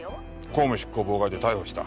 公務執行妨害で逮捕した。